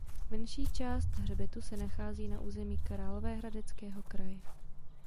Menší část hřbetu se nachází na území Královéhradeckého kraje.